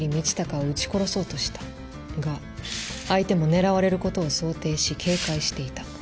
が相手も狙われる事を想定し警戒していた。